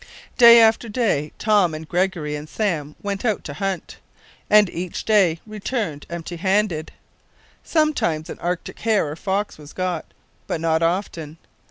Day after day Tom and Gregory and Sam Baker went out to hunt, and each day returned empty handed. Sometimes an Arctic hare or a fox was got; but not often.